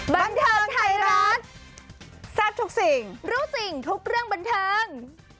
บันเทิงไทยรัฐแซ่บทุกสิ่งรู้สิ่งทุกเรื่องบันเทิง